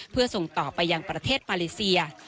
เพื่อส่งต่อไปยังประเทศมาเลเซีย